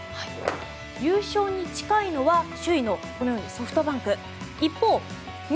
優勝に近いのは首位のソフトバンク。